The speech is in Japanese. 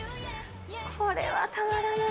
これはたまらない。